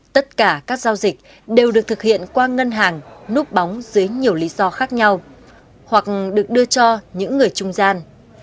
tất cả các giao dịch đều được thực hiện qua ngân hàng núp bóng dưới nhiều lý do khác nhau hoặc được đưa cho những người trung gian